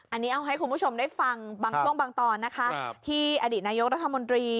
อันนี้เอาให้คุณผู้ชมได้ฟังบางช่วงบางตอนนะคะที่อดีตนายกรัฐมนตรี